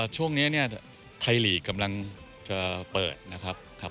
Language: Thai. ช่วงนี้เนี่ยไทยลีกกำลังจะเปิดนะครับ